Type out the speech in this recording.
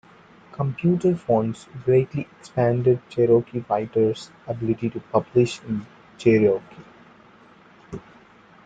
Computer fonts greatly expanded Cherokee writers' ability to publish in Cherokee.